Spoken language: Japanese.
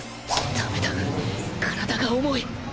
ダメだ体が重い